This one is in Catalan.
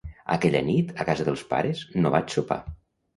Aquella nit, a casa dels pares, no vaig sopar.